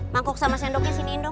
mangkok sama sendoknya siniin dong